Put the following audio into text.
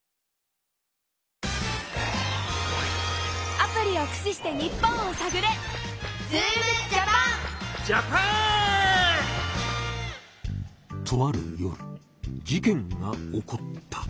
アプリをくしして日本をさぐれ！とある夜事件が起こった。